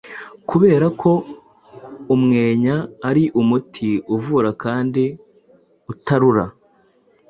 kubera ko umwenya ari umuti uvura kandi utarura,